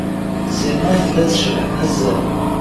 Sima tella tecbeḥ nezzeh.